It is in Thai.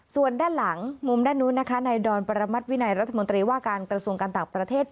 ส่วนด้านหลังมุมด้านนู้นนะคะในดอนปรมัติวินัยรัฐมนตรีว่าการกระทรวงการต่างประเทศ